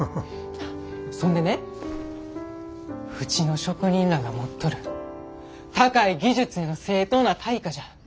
そんでね「うちの職人らが持っとる高い技術への正当な対価じゃ。